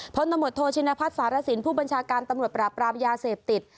ผ่อนต่ำรวจโทรชิณภัศรสินตร์ผู้บัญชาการตำรวจประปราบยาเศษติฤ